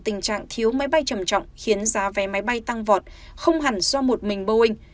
tình trạng thiếu máy bay trầm trọng khiến giá vé máy bay tăng vọt không hẳn do một mình boeing